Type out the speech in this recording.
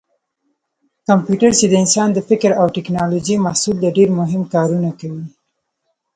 کمپیوټر چې د انسان د فکر او ټېکنالوجۍ محصول دی ډېر مهم کارونه کوي.